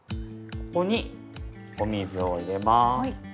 ここにお水を入れます。